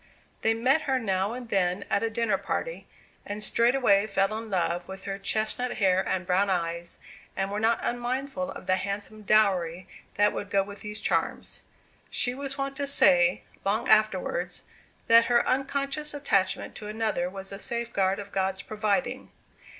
They met her now and then at a dinner party, and straightway fell in love with her chestnut hair and brown eyes, and were not unmindful of the handsome dowry that would go with these charms. She was wont to say, long afterwards, that her unconscious attachment to another was a safeguard of God's providing.